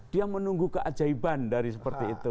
dia menunggu keajaiban dari seperti itu